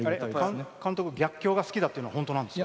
監督、逆境が好きっていうのは本当ですか？